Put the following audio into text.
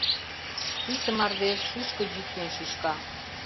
Писе мардеж шучко йӱк ден шӱшка